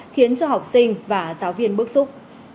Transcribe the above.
khiến cho học sinh và giáo viên bức xúc